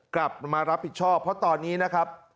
กลับมารับผิดชอบเพราะตอนนี้นะครับ